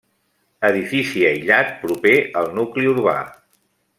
Edifici aïllat proper al nucli urbà.